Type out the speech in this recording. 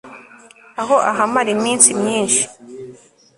aho ahamara iminsi myinshi